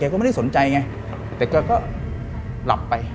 ก็ไม่ได้สนใจไงแต่แกก็หลับไป